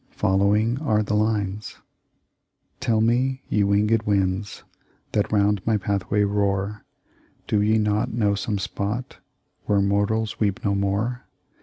Following are the lines : "Tell me, ye winged winds That round my pathway roar, Do ye not know some spot Where mortals weep no more?